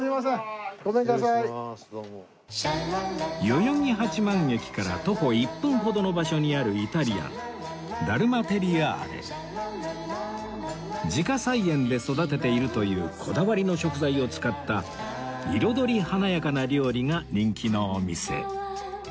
代々木八幡駅から徒歩１分ほどの場所にあるイタリアン自家菜園で育てているというこだわりの食材を使った彩り華やかな料理が人気のお店